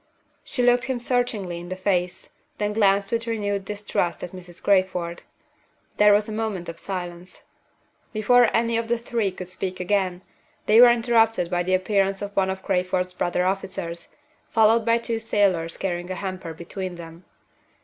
She looked him searchingly in the face, then glanced with renewed distrust at Mrs. Crayford. There was a moment of silence. Before any of the three could speak again, they were interrupted by the appearance of one of Crayford's brother officers, followed by two sailors carrying a hamper between them.